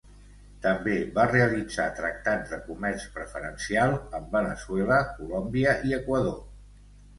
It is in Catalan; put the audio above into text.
També va realitzar tractats de comerç preferencial amb Veneçuela, Colòmbia, i Equador.